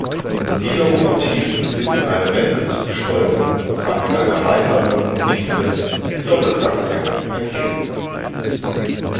Die Lokomotiven besitzen eine Wendezugsteuerung und kann mit einer weiteren Lokomotive in Doppeltraktion verkehren.